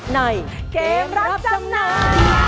ในเกมรับจำนำ